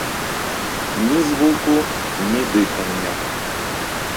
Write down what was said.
Ні звуку, ні дихання.